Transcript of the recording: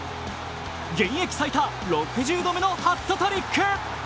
現役最多６０度目のハットトリック。